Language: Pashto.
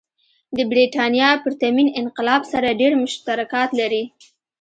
د برېټانیا پرتمین انقلاب سره ډېر مشترکات لري.